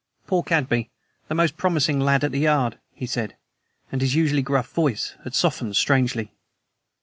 "Poor Cadby, the most promising lad at the Yard," he said; and his usually gruff voice had softened strangely.